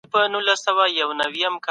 په مځكه ننوځم يارانـــو